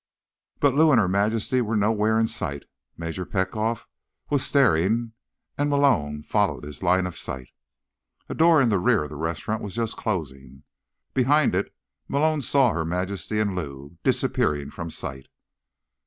But Lou and Her Majesty were nowhere in sight. Major Petkoff was staring, and Malone followed his line of sight. A door in the rear of the restaurant was just closing. Behind it Malone saw Her Majesty and Lou, disappearing from sight.